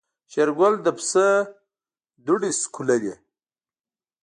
شېرګل د پسه دوړې سکوللې.